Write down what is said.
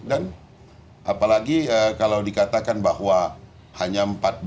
dan apalagi kalau dikatakan bahwa hanya tiga belas